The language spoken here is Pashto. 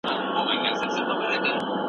ماشومانه خیالونه ورته اسانه وو.